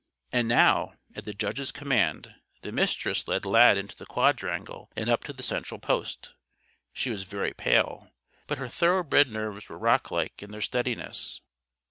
And now, at the judge's command, the Mistress led Lad into the quadrangle and up to the central post. She was very pale, but her thoroughbred nerves were rocklike in their steadiness.